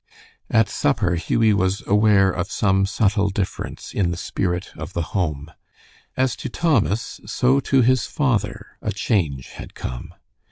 At supper, Hughie was aware of some subtle difference in the spirit of the home. As to Thomas so to his father a change had come.